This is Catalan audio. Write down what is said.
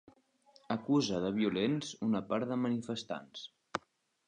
Acusa de violents una part de manifestants.